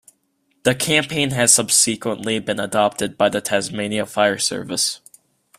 The campaign has subsequently been adopted by the Tasmania Fire Service.